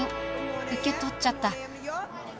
受け取っちゃった。